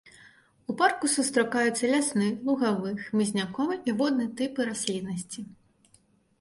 У парку сустракаюцца лясны, лугавы, хмызняковы і водны тыпы расліннасці.